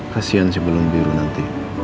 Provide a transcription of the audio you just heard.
kasian sebelum biru nanti